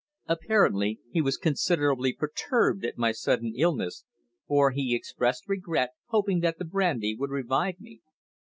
Apparently he was considerably perturbed at my sudden illness, for he expressed regret, hoping that the brandy would revive me.